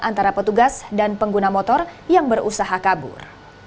antara petugas dan pengguna motor yang berusaha kabur